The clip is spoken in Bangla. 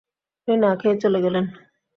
উনি না খেয়েই চলে গেলেন।